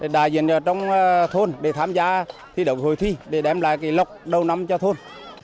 đại diện trong thôn để tham gia thi động hội thi để đem lại lọc đầu năm cho thôn